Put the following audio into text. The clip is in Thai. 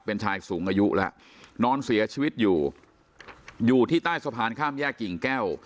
เป็นชายสูงอายุแล้วนอนเสียชีวิตอยู่อยู่ที่ใต้สะพานข้ามแยกกิ่งแก้ว